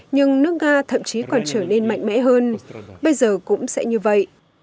nhưng nước nga thậm chí còn trở nên mạnh mẽ hơn bây giờ cũng sẽ như vậy